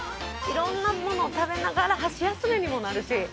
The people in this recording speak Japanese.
いろんなものを食べながら箸休めにもなるし。